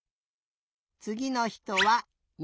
つぎのひとは２。